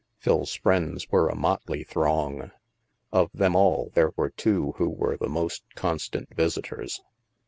Phil's friends were a motley throng. Of them all, there were two who were the most constant visi tors.